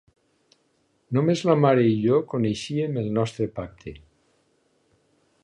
Només la mare i jo coneixíem el nostre pacte.